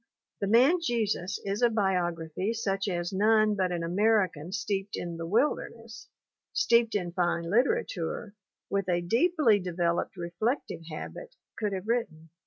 The Man Jesus is a biography such as none but an American steeped in the wilderness, steeped in fine literature, with a deeply developed reflective habit could have written.